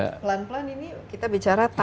pelan pelan ini kita bicara